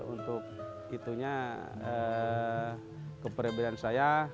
untuk itunya keamanan saya iklan saya anaknya dan hidup saya